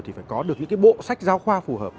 thì phải có được những cái bộ sách giáo khoa phù hợp